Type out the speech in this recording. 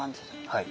はい。